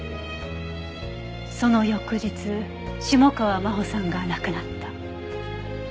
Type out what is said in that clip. その翌日下川真帆さんが亡くなった。